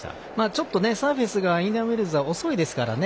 ちょっとサーフェスがインディアンウェルズは遅いですからね。